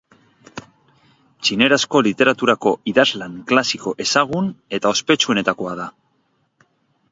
Txinerazko literaturako idazlan klasiko ezagun eta ospetsuenetakoa da.